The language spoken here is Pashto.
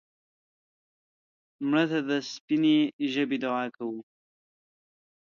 مړه ته د سپینې ژبې دعا کوو